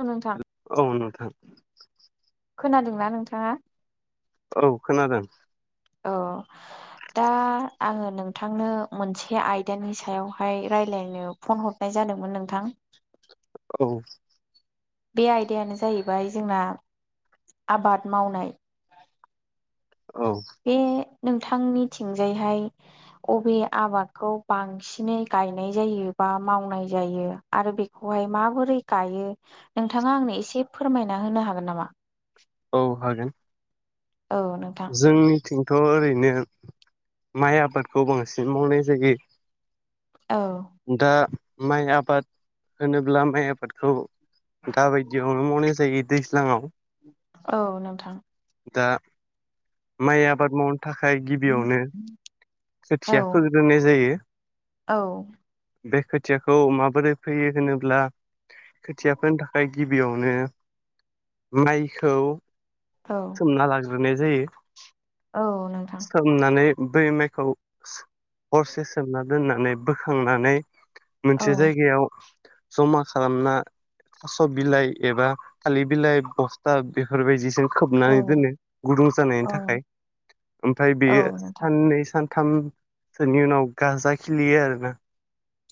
औ नोंथां औ नोंथां खोनादोंना नोंथाङा औ खोनादों औ दा आङो नोंथांनो मोनसे आयदानि सायावहाय रायलायनो फन हरनाय जादोंमोन नोंथां औ बे आयदायानो जाहैबाय जोंना आबाद मावनाय औ बे नोंथांनिथिंजायहाय अबे आबादखौ बांसिनै गायनाय जायो। बा मावनाय जायो आरो बेखौहाय माबोरै गायो नोंथाङा आंनो एसे फोरमायनानै होनो हागोन नामा औ हागोन औ नोंथां जोंनिथिंथ' ओरैनो माइ आबादखौ बांसिन मावनाय जायो। औ दा माइ आबाद होनोब्ला माइ आबादखौ दा बायदियावनो मावनाय जायो दैज्लाङाव औ नोंथां दा माइ आबाद मावनो थाखाय गिबियावनो औ खोथियाथ' फोग्रोनाय जायो औ बे खोथियाखौ माबोरै फैयो होनोब्ला खोथियाफोरनि थाखाय गिबियावनो माइखौ औ सोमना लाग्रोनो जायो औ नोंथां सोमनानै बै माइखौ हरसे सोमना दोननानै बोखांनानै औ मोनसे जायगायाव जमा खालामना थास' बिलाइ एबा थालिर बिलाइ बस्था बेफोरबायदिजों औ खोबनानै दोनो गुदुं जानायनि औ थाखाय ओमफ्राय औ बेयो नोंथां साननै सान साथामसोनि उनाव गाजा खिलियो आरोना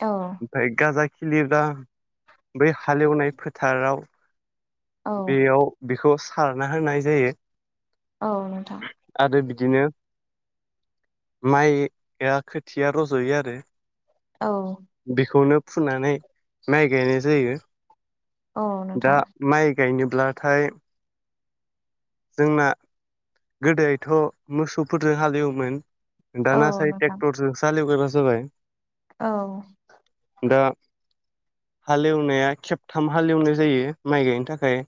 औ ओमफ्राय गाजा खिलिब्ला बै हालेवनाय फोथाराव औ बेयाव बेखौ सारना होनाय जायो। औ नोंथां। आरो बिदिनो माइआ खोथिया रज'यो आरो औ बेखौनो फुनानै माइ गायनाय जायो। औ दा नोंथां। माइ गायनोब्लाथाय जोंना गोदोथ' मोसौफोरजों हालेवोमोन। औ दाना साय नोंथां टेक्टरजोंसो हालेवग्रा जाजोबबाय। औ। हालेवनाया खेबथाम हालेवनाय जायो माइ गायनो थाखाय।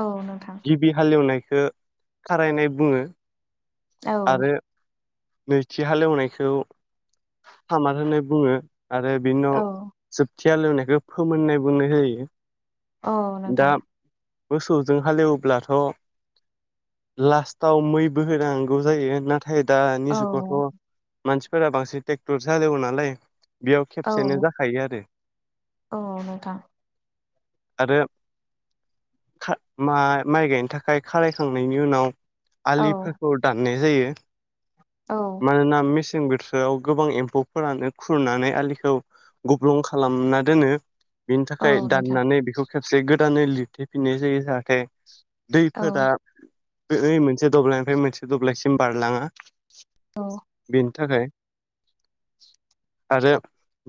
औ नोंथां। खो खारायनाय बुङो। औ। आरो नैथि हालेवनायखौ सामार होननानै बुङो। आरो बिनि औ उनाव जोबथि हालेवनायखौ फोमोननाय बुंनाय जायो। औ दा नोंथां। मोसौजों हालेवब्लाथ' लास्टाव मैबो होनां गौ जायो नाथाय दानि औ जुगावथ' मानसिफोरा बांसिन ट्रेक्टर जोंसो हालेवो नालाय। बेयाव औ खेबसेनो जाखायो आरो। औ नोंथां। आरो खा मा माइ गायनो थाखाय खारायखांनायनि उनाव औ आलिफोरखौ दाननाय जायो औ मानोना मेस सें बोथोराव गोबां एम्फौफोरानो खुरनानै आलिखौ गब्लं खालामना दोनो। बिनि थाखाय औ नोंथां औ नोंथां दाननानै बेखौ खेबसे गोदानै लिरथेफिननाय जायो जाहाथे दैफोरा औ ओइ मोनसे दब्लायनिफ्राय मोनसे दब्लायसिम बारलाङा। औ। बेनि थाखाय आरो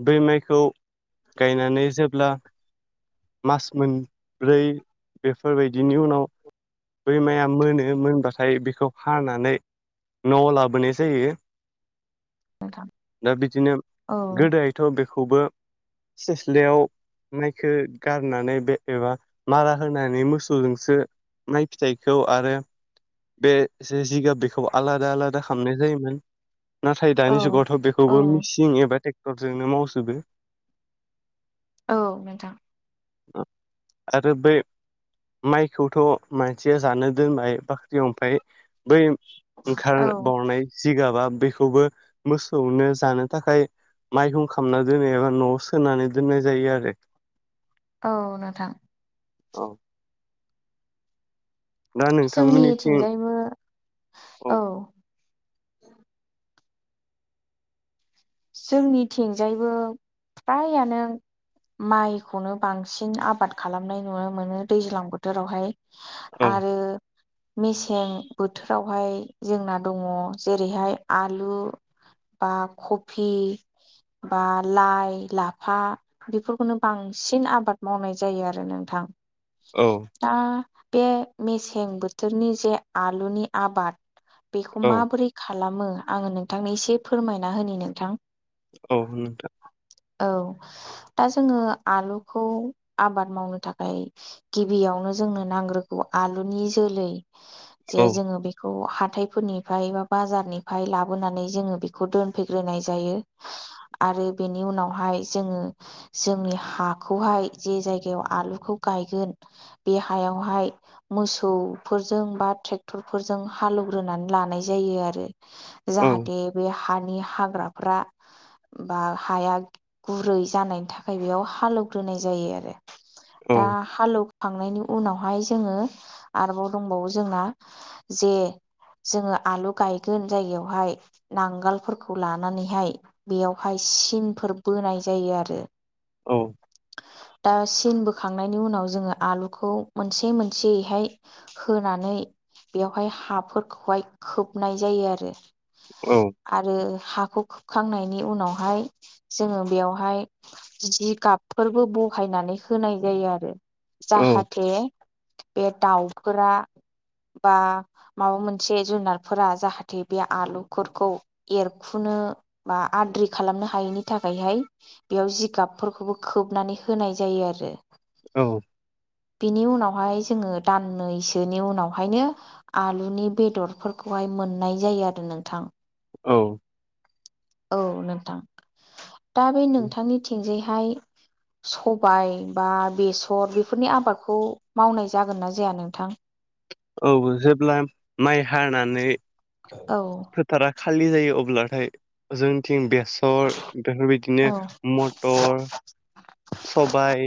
बै माइखौ गायनानै जेब्ला मास मोनब्रै बेफोरबायदिनि उनाव बै माया मोनो मोनबाथाय बेखौ हानानै न'आव लाबोनाय जायो। दा बिदिनो गोदोहायथ' बे खौबो सेस्लायाव मायखो गारनानै बे एबा मारा होनानै मोसौजोंसो माइ फिथाइखौ आरो बे जे जिगाब बेखौ आलादा आलादा खालामनाय जायोमोन। नाथाय दानि औ जुगावथ' औ बेखौबो मेसिन एबा ट्रेक्टरजोंनो मावजोबो। औ नोंथां। आरो बै माइखौथ' मानसिया जानो दोननाय बा ख्रियाव ओमफाय बै ओंखार औ बावनाय जिगाबा बेखौबो मोसौनो जानो थाखाय माइहुं खामना दोनो एबा न'आव सोनानै दोननाय जायो आरो। औ नोंथां औ दा नोंथांमोननिथिं जोंनिथिंजायबो औ जोंनि थिंजायबो फ्रायानो माइखौनो बांसिन आबाद खालामनाय नुनो मोनो दैज्लां बोथोरावहाय औ आरो मेसें बोथोरावहाय जोंना दङ जेरैहाय आलु बा खफि बा लाइ लाफा बेफोरखौनो बांसिन आबाद मावनाय जायो आरो नोंथां औ दा बे मेसें बोथोरनि जे आलुनि आबाद बेखौ औ माबोरै खालामो आङो नोंथांनो एसे फोरमायना होनि नोंथां औ नोंथां औ दा जोङो आलुखौ आबाद मावनो थाखाय गिबियाव- नो जोंनो नांग्रोगौ आलुनि जोलै जे औ जोङो बेखौ हाथायफोरनिफाय बा बाजारनिफाय लाबोनानै जोङो बेखौ दोनफैग्रोनाय जायो आरो बेनि उनावहाय जोङो जोंनि हाखौहाय जे जायगायाव आलुखौ गायगोन बे हयावहाय मोसौफोरजों बा ट्रेक- डक्टरफोरजों हालेवग्रोनानै लानाय जायो आरो औ जाहाथे बे हानि हाग्रा बा बा हाया गुरै जानायनि थाखाय बेयाव हालेवग्रोनाय जायो आरो औ दा हालुक थांनायनि उनावहाय जोङो आरोबाव दंबावो जोंना जे जोङो आलु गायगोन जायगायावहाय नांगोलफोरखौ लानानै हाय बेयावहाय सिनफोर बोनाय जायो आरो औ दा सिन बोखांनायनि उनाव जोङो आलुखौ मोनसे मोनसेयैहाय होनानै बेयावहाय हाफोरखौहाय खोबनाय जायो आरो औ आरो हाखौ हुखांनायनि उनावहाय जोङो बेवहाय जि गाबफोरबो बहायनानै होनाय जायो आरो जाहाथे बे दाउफोरा बा माबा मोनसे जुनारफोरा जाहाथे बे आलुफोरखौ एरखुनो बा आद्रि खालामनो हायैनि थाखायहाय बेयाव जिगाबफोरखौबो खोबनानै होनाय जायो आरो औ बिनि उनावहाय जोङो दाननैसोनि उनावहायनो आलुनि बेदरफोरखौहाय मोननाय जायो आरो नोंथां औ औ नोंथां दा बे नोंथांनि थिंजायहाय सबाय बा बेसर बेफोरनि आबादखौ मावनाय जागोन ना जाया नोंथां औ जेब्ला माइ हानानै औ फालि जायो अब्लाथाय जोंनिथिं बेस थासर बेफोरबायदिनो औ मथर सबायाइ